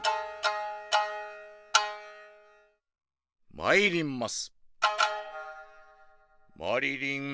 まいります。